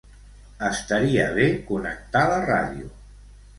Estaria bé connectar la ràdio.